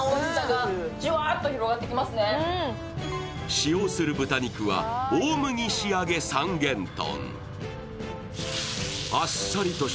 使用する豚肉は大麦仕上三元豚。